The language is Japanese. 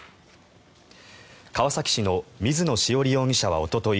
川崎市の水野潮理容疑者はおととい